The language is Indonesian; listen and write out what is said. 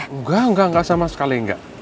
enggak enggak sama sekali enggak